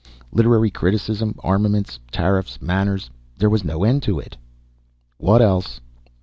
Literary criticism, armaments, tariffs, manners there was no end to it. "What else?"